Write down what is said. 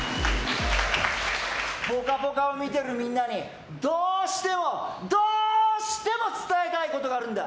「ぽかぽか」を見てるみんなにどうしても、どうしても伝えたいことがあるんだ。